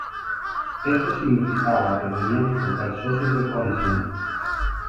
Esto significaba que tenía que encontrar socios de coalición.